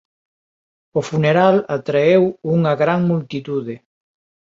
O funeral atraeu unha gran multitude.